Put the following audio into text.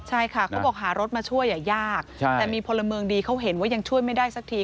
ใช่ค่ะเขาบอกหารถมาช่วยยากแต่มีพลเมืองดีเขาเห็นว่ายังช่วยไม่ได้สักที